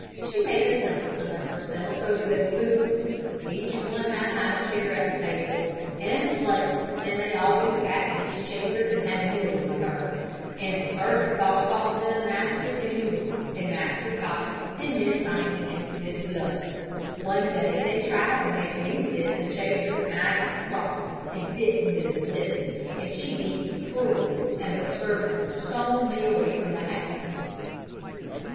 She made a simpleton of herself over those poodles. Each one had a high chair at the table, and a plate, and they always sat in these chairs and had meals with her, and the servants all called them Master Bijou, and Master Tot, and Miss Tiny, and Miss Fluff. One day they tried to make me sit in a chair, and I got cross and bit Mrs. Tibbett, and she beat me cruelly, and her servants stoned me away from the house."